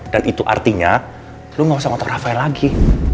dan itu artinya lo nggak usah ngotak rafael lagi